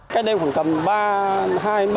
cái đây khoảng tầm hai ba đồng